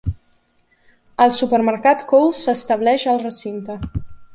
El supermercat Coles s'estableix al recinte.